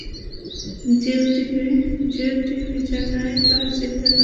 Jio TV জানায়, করাচির নাথা খান সেতুতে অজ্ঞাত অস্ত্রধারীরা হামিদের গাড়িতে হামলা চালায়।